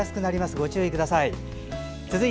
ご注意ください。